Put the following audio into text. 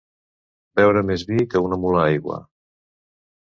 Beure més vi que una mula aigua.